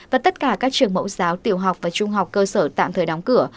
và tất cả các trường mẫu giáo tiểu học và trung học cơ sở tạm thời đóng cửa